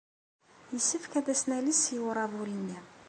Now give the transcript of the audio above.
Yessefk ad as-nales i uṛabul-nni.